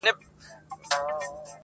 بلا توره دي پسې ستا په هنر سي-